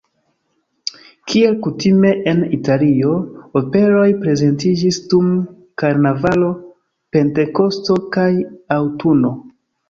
Kiel kutime en Italio, operoj prezentiĝis dum karnavalo, pentekosto kaj aŭtuno.